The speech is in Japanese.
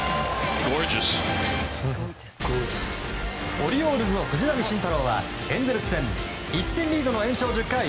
オリオールズの藤浪晋太郎はエンゼルス戦１点リードの延長１０回。